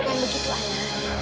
bukan begitu ana